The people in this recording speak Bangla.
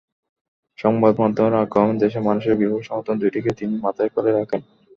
সংবাদমাধ্যমের আগ্রহ এবং দেশের মানুষের বিপুল সমর্থন দুটিকেই তিনি মাথায় করে রাখেন।